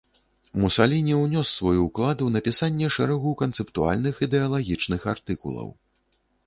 Мусаліні ўнёс свой уклад у напісанне шэрагу канцэптуальных, ідэалагічных артыкулаў.